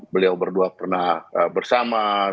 beliau berdua pernah bersama